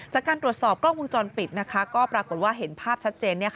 จากการตรวจสอบกล้องวงจรปิดก็ปรากฏว่าเห็นภาพชัดเจน